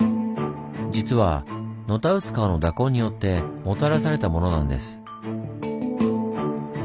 実はのたうつ川の蛇行によってもたらされたものなんです。